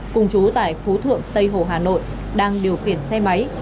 cùng chú tại phú thượng tây hồ hà nội đang điều khiển xe máy